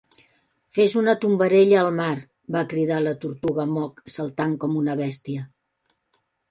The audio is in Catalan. "Fes una tombarella al mar!" va cridar la tortuga Mock, saltant com una bèstia.